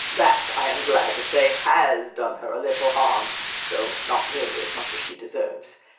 That, I am glad to say, has done her a little harm, although not nearly as much as she deserves.